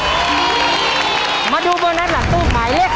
เหลืออีกหนึ่งหมายเลขก็คือตู้หมายเลข๒ครับ